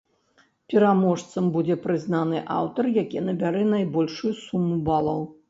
Пераможцам будзе прызнаны аўтар, які набярэ найбольшую суму балаў.